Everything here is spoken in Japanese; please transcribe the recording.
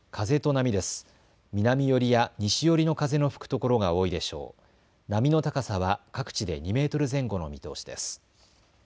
波の高さは各地で２メートル前後の見通しです。